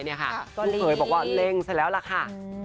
ลูกเคยบอกว่าเร่งเสร็จแล้วล่ะค่ะ